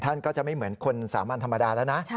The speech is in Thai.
ท่านก็จะไม่เหมือนคนสามัญธรรมดาแล้วนะ